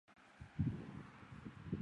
与其相对的是呼气音。